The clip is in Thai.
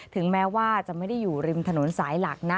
ถึงแม้ว่าจะไม่ได้อยู่ริมถนนสายหลักนะ